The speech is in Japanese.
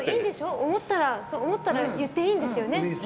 思ったら言っていいんですよね。